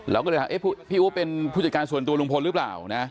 เราก็เลยถามพี่อู๋เป็นผู้จัดการส่วนตัวลุงพลหรือเปล่านะ